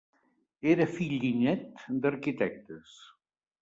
Era fill i nét d'arquitectes.